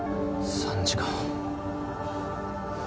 ３時間。